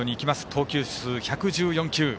投球数１１４球。